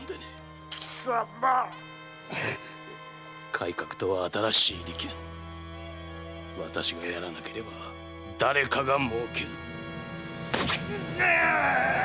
改革とは新しい利権私がやらなければ誰かが儲ける！